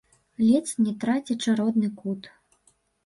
Ледзь не трацячы родны кут.